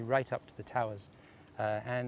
yang berada di atas peringkat